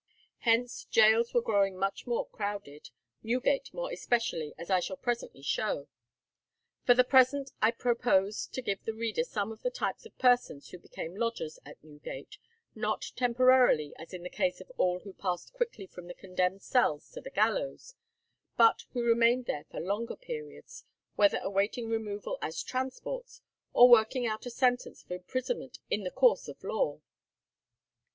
Hence gaols were growing much more crowded, Newgate more especially, as I shall presently show. For the present I propose to give the reader some of the types of persons who became lodgers in Newgate, not temporarily, as in the case of all who passed quickly from the condemned cells to the gallows, but who remained there for longer periods, whether awaiting removal as transports, or working out a sentence of imprisonment in the course of law.